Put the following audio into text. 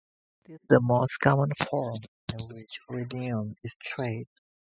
It is the most common form in which rhenium is traded.